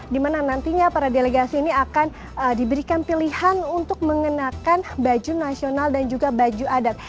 dimana nantinya para delegasi ini akan diberikan pilihan untuk mengenakan baju nasional dan juga baju adat